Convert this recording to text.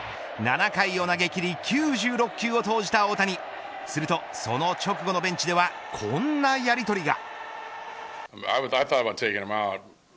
７回を投げ切り９６球を投じた大谷すると、その直後のベンチではこんなやりとりが。